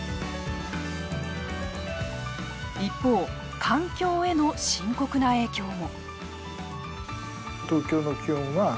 一方、環境への深刻な影響も。